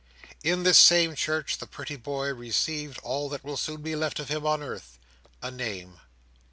In this same church, the pretty boy received all that will soon be left of him on earth—a name.